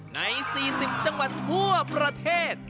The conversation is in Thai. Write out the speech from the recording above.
ใน๔๐จังหวัดทั่วประเทศ